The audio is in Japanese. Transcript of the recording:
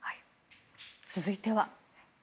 続いては。